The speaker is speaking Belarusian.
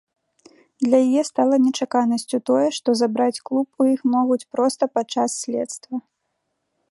Для яе стала нечаканасцю тое, што забраць клуб у іх могуць проста падчас следства.